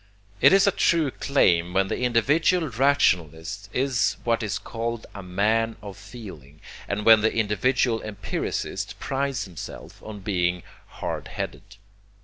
It is a true claim when the individual rationalist is what is called a man of feeling, and when the individual empiricist prides himself on being hard headed.